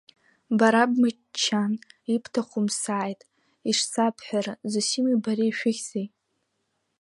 Бара бмыччан, ибҭаху мсааит, ишсабҳәара, Зосими бареи ишәыхьзеи?